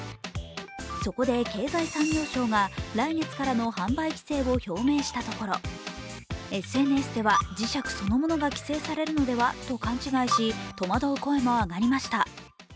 そこで経済産業省が来月からの販売規制を表明したところＳＮＳでは、磁石そのものが規制されるのでは？と勘違いし、戸惑う声も上がりました。